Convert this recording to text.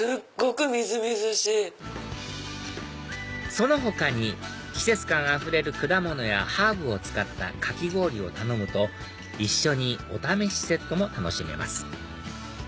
その他に季節感あふれる果物やハーブを使ったかき氷を頼むと一緒にお試しセットも楽しめます